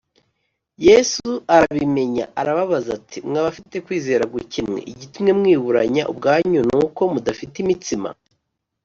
Yesu arabimenya arababaza ati “Mwa bafite kwizera guke mwe, igitumye mwiburanya ubwanyu ni uko mudafite imitsima?